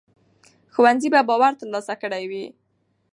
ښوونځي به باور ترلاسه کړی وي.